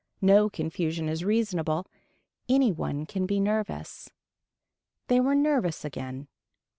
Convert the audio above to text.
No confusion is reasonable. Anybody can be nervous. They were nervous again.